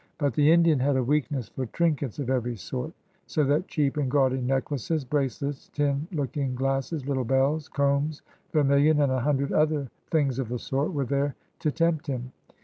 But the Indian had a weakness for trinkets of every sort, so that cheap and gaudy necklaces, bracelets, tin looking glasses, little bells, combs, vermilion, and a hundred other things of the sort were there to tempt him.